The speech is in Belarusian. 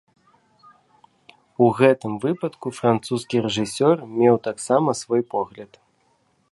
У гэтым выпадку французскі рэжысёр меў таксама свой погляд.